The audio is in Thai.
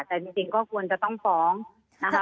แต่จริงก็ควรจะต้องฟ้องนะคะ